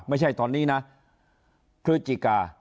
ไม่ใช่ตอนนี้นะ